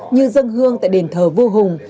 như dâng hương tại đền thờ vua hùng